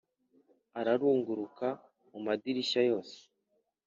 ararungurukira mu madirishya yose